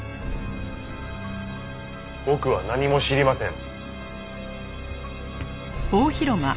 僕は何も知りません。